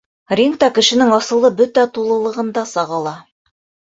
— Рингта кешенең асылы бөтә тулылығында сағыла.